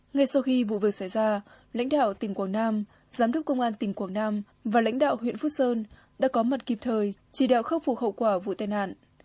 ngay sau khi vụ việc xảy ra lãnh đạo tỉnh quảng nam giám đốc công an tỉnh quảng nam và lãnh đạo huyện phước sơn đã có mặt kịp thời chỉ đạo khắc phục hậu quả vụ tai nạn